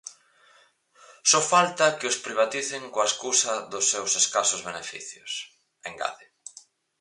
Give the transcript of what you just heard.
"Só falta que os privaticen coa escusa do seus escasos beneficios", engade.